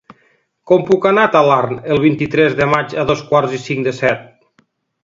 Com puc anar a Talarn el vint-i-tres de maig a dos quarts i cinc de set?